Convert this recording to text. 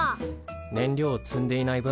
燃料を積んでいない分